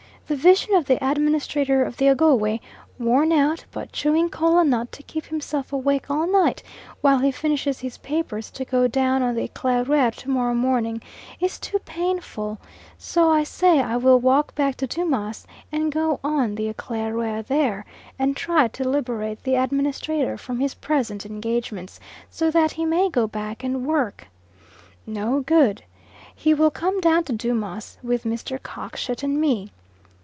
The vision of the Administrator of the Ogowe, worn out, but chewing Kola nut to keep himself awake all night while he finishes his papers to go down on the Eclaireur to morrow morning, is too painful; so I say I will walk back to Dumas' and go on the Eclaireur there, and try to liberate the Administrator from his present engagements, so that he may go back and work. No good! He will come down to Dumas' with Mr. Cockshut and me.